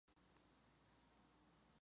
Museo Explosion!